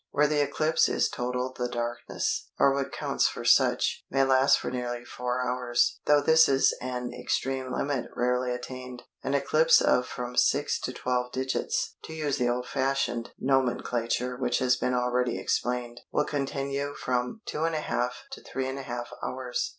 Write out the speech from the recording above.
Where the eclipse is total the darkness, or what counts for such, may last for nearly 4 hours, though this is an extreme limit rarely attained. An eclipse of from 6 to 12 digits (to use the old fashioned nomenclature which has been already explained) will continue from 2½ to 3½ hours.